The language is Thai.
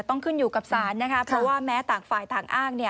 ต้องขึ้นอยู่กับศาลนะคะเพราะว่าแม้ต่างฝ่ายต่างอ้าง